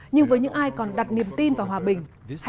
nhưng với những ai còn đặt niềm tin vào hòa bình